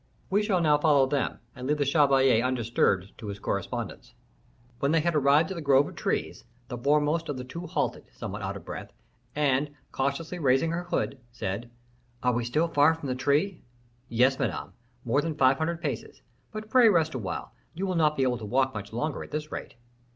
We shall now follow them, and leave the chevalier undisturbed to his correspondence. When they had arrived at the grove of trees, the foremost of the two halted, somewhat out of breath, and, cautiously raising her hood, said, "Are we still far from the tree?" "Yes, Madame, more than five hundred paces; but pray rest awhile, you will not be able to walk much longer at this rate."